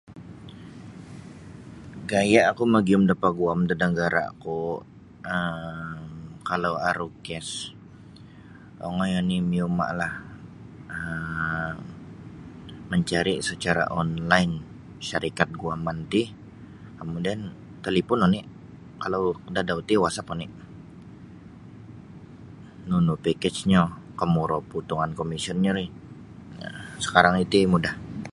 Gaya ku magium da paguam da nagara ku um kalau aru kes ongoi oni miuma lah um mencari secara online syarikat guaman ti kemudian talipun oni kalau dadau ti wasap oni nunu pakej nyo kumburo potongan komisyenyo ri sakarang iti mudah.